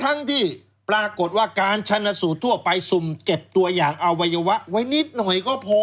ทั้งที่ปรากฏว่าการชนสูตรทั่วไปสุ่มเก็บตัวอย่างอวัยวะไว้นิดหน่อยก็พอ